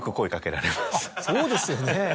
そうですよね。